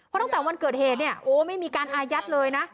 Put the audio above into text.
เพราะตั้งแต่วันเกิดเหตุเนี่ยโอ้ไม่มีการอายัดเลยนะ